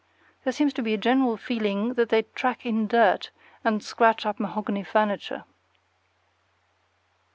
There seems to be a general feeling that they track in dirt and scratch up mahogany furniture.